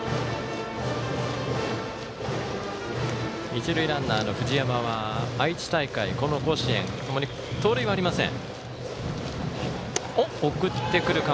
一塁ランナーの藤山は、愛知大会この甲子園ともに盗塁はありません。